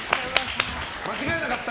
間違えなかった？